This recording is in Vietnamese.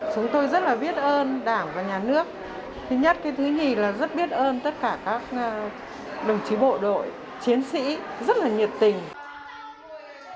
chúng tôi rất là biết ơn đảng và nhà nước thứ nhất cái thứ nhì là rất biết ơn tất cả các đồng chí bộ đội chiến sĩ rất là nhiệt tình